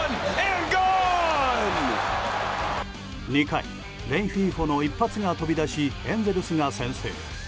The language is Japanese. ２回、レンヒーフォの一発が飛び出しエンゼルスが先制。